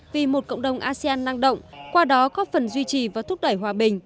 vì một cộng đồng asean năng động qua đó góp phần duy trì và thúc đẩy hòa bình